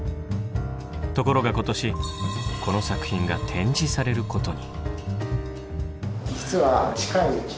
ところが今年この作品が展示されることに。